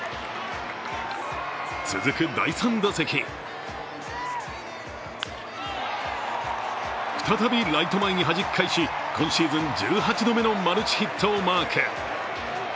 続く第３打席、再びライト前にはじき返し今シーズン１８度目のマルチヒットをマーク。